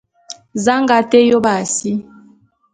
Za a nga té yôp a si?